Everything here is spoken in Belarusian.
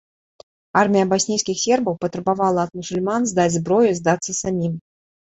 Армія баснійскіх сербаў патрабавала ад мусульман здаць зброю і здацца самім.